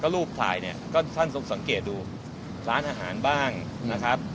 รูปถ่ายเนี่ยก็ท่านทรงสังเกตดูร้านอาหารบ้างนะครับ